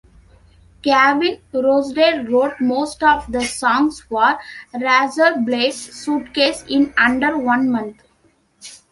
Gavin Rossdale wrote most of the songs for "Razorblade Suitcase" in under one month.